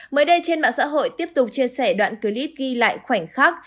mới đây trên mạng xã hội tiếp tục chia sẻ đoạn clip ghi lại khoảnh khắc